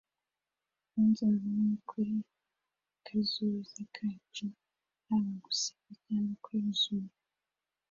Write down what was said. twunze ubumwe kuri kazoza kacu, haba guseka cyangwa kwijimye